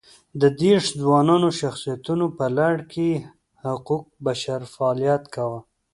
د دېرش ځوانو شخصیتونو په لړ کې یې حقوق بشر فعالیت کاوه.